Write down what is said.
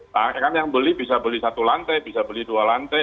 karena yang beli bisa beli satu lantai bisa beli dua lantai